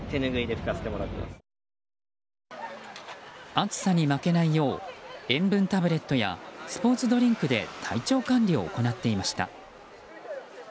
暑さに負けないよう塩分タブレットやスポーツドリンクで体調管理を行っていました。